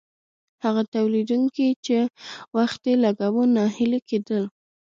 هغه تولیدونکي چې وخت یې لګاوه ناهیلي کیدل.